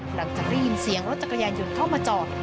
หลังจากได้ยินเสียงรถจักรยานยนต์เข้ามาจอด